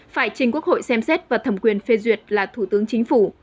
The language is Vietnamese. phải trình quốc hội xem xét và thẩm quyền phê duyệt là thủ tướng chính phủ